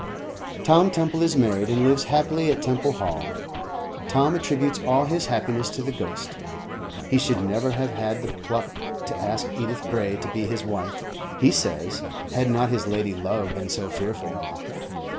Tom Temple is married, and lives happily at Temple Hall. Tom attributes all his happiness to the ghost. He should never have had the pluck to ask Edith Gray to be his wife, he says, had not his lady love been so fearful.